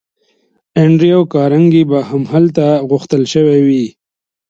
انډریو کارنګي به هم هلته غوښتل شوی وي